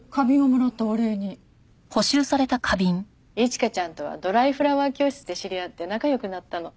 一花ちゃんとはドライフラワー教室で知り合って仲良くなったの。